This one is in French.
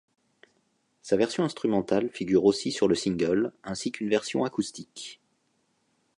Sa version instrumentale figure aussi sur le single, ainsi qu'une version acoustique.